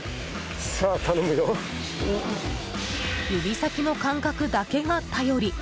指先の感覚だけが頼り。